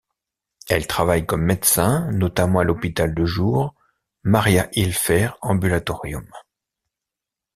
Elle travaille comme médecin, notamment à l'hôpital de jour Mariahilfer Ambulatorium.